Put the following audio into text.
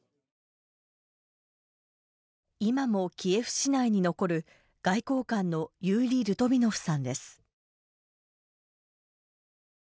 今もキエフ市内に残る、外交官のユーリ・ルトヴィノフさんです。